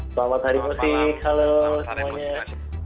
selamat hari musik halo semuanya